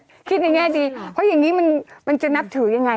พวงมาลัยได้แม่ดีเพราะว่ายังนั้นมันจะนับถือยังไง